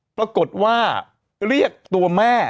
ปรากฏว่าเรียกตัวแม่